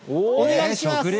お願いします。